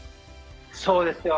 そうですよ。